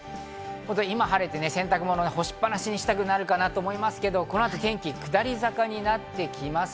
今、晴れて、洗濯物を干しっ放しにしたくなるかなと思いますけど、この後、天気下り坂になってきます。